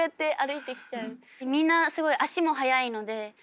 みんなすごい足も速いので。